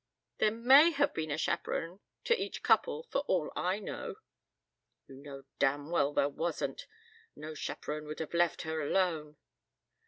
"There may have been a chaperon to each couple for all I know." "You know damn well there wasn't. No chaperon would have left her alone."